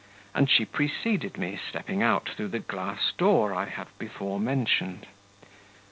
And she preceded me, stepping out through the glass door I have before mentioned.